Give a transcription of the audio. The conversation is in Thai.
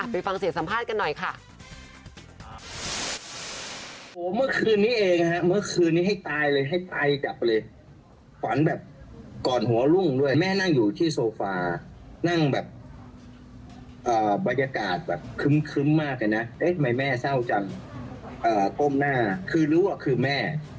ไปฟังเสียงสัมภาษณ์กันหน่อยค่ะ